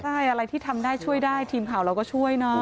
ใช่อะไรที่ทำได้ช่วยได้ทีมข่าวเราก็ช่วยเนอะ